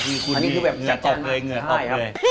ที่คุณเหนือออกเลย